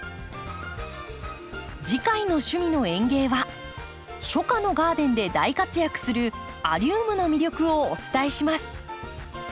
次回の「趣味の園芸」は初夏のガーデンで大活躍するアリウムの魅力をお伝えします。